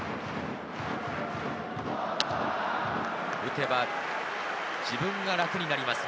打てば自分が楽になります。